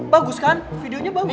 bagus kan videonya bagus